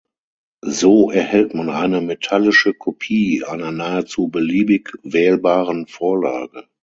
So erhält man eine metallische Kopie einer nahezu beliebig wählbaren Vorlage.